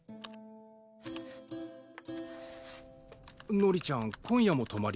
のりちゃん今夜もとまり？